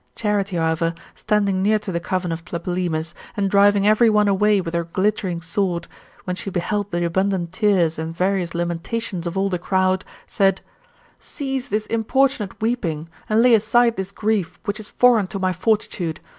Charite, however, standing near to the cofiin of Tlepolemus, and driving every one away with her glittering sword, when she beheld the abundant tears and various lamentations of all the crowd, said, 'Cease this importunate weeping, and lay aside this grief which is foreign to my fortitude.